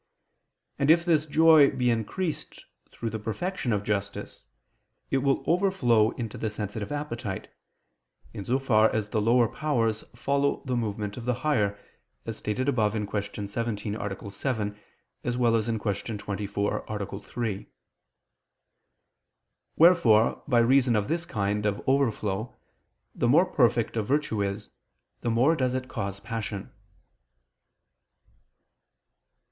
And if this joy be increased through the perfection of justice, it will overflow into the sensitive appetite; in so far as the lower powers follow the movement of the higher, as stated above (Q. 17, A. 7; Q. 24, A. 3). Wherefore by reason of this kind of overflow, the more perfect a virtue is, the more does it cause passion.